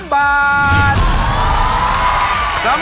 ขอบคุณครับ